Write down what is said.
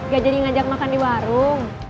gak jadi ngajak makan di warung